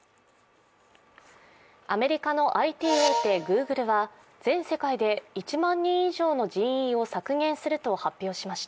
アメリカのＩＴ大手Ｇｏｏｇｌｅは全世界で１万人以上の人員を削減すると発表しました。